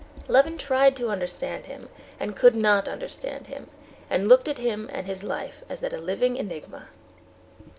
Levin tried to understand him, and could not understand him, and looked at him and his life as at a living enigma.